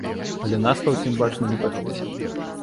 Але нас, па ўсім бачна, не пачулі.